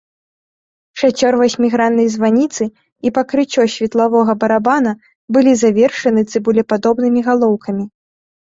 Шацёр васьміграннай званіцы і пакрыццё светлавога барабана былі завершаны цыбулепадобнымі галоўкамі.